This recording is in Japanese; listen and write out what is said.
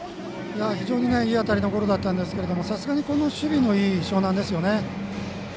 非常にいい当たりのゴロだったんですがさすが守備のいい樟南ですよね。